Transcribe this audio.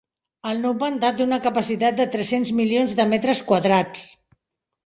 El nou pantà té una capacitat de tres-cents milions de metres quadrats.